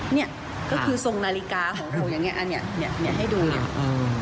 เนี่ยก็คือทรงนาฬิกาของเราอย่างเนี่ยอันเนี่ยเนี่ยให้ดูเนี่ย